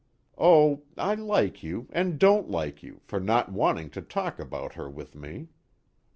Oh, I like you and don't like you, for not wanting to talk about her with me.